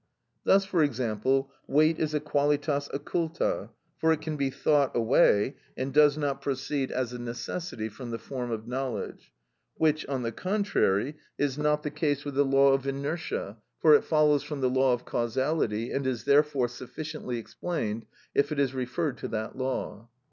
Thus, for example, weight is a qualitas occulta, for it can be thought away, and does not proceed as a necessity from the form of knowledge; which, on the contrary, is not the case with the law of inertia, for it follows from the law of causality, and is therefore sufficiently explained if it is referred to that law.